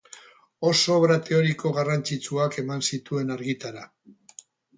Oso obra teoriko garrantzitsuak eman zituen argitara.